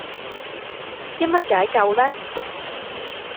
因乜解救呢